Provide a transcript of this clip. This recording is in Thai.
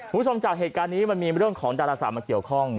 คุณผู้ชมจากเหตุการณ์นี้มันมีเรื่องของดาราศาสตร์มาเกี่ยวข้อง